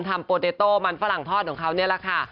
โปเตโต้มันฝรั่งทอดของเขานี่แหละค่ะ